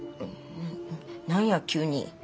な何や急に。